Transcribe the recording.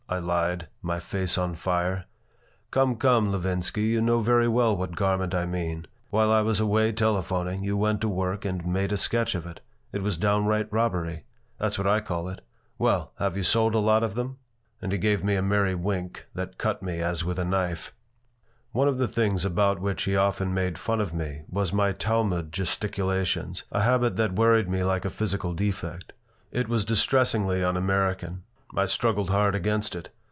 I lied, my face on fire. "Come, come, Levinsky. You know very well what garment I mean. While I was away telephoning you went to work and made a sketch of it. It was downright robbery. That's what I call it. Well, have you sold a lot of them?" And he gave me a merry wink that cut me as with a knife One of the things about which he often made fun of me was my Talmud gesticulations, a habit that worried me like a physical defect. It was so distressingly un American. I struggled hard against it.